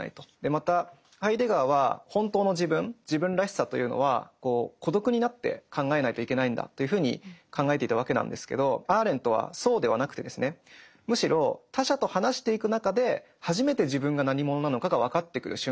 またハイデガーは本当の自分自分らしさというのは孤独になって考えないといけないんだというふうに考えていたわけなんですけどアーレントはそうではなくてですねむしろというふうに言うわけですね。